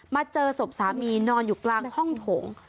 เจอศพสามีนอนอยู่กลางห้องโถง